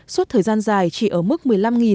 suốt thời gian dài chỉ ở mức một mươi năm đồng một kg